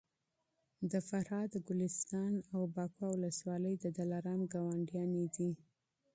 د فراه د ګلستان او بکواه ولسوالۍ د دلارام ګاونډیانې دي